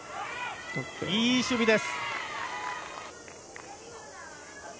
いい守備です。